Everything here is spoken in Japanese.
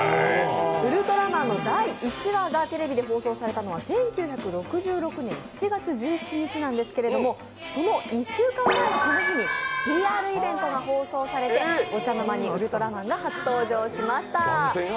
「ウルトラマン」の第１話がテレビで放送されたのは１９６６年７月１７日なんですけれどもその１週間前のこの日にＰＲイベントが放送されお茶の間にウルトラマンが初登場しました。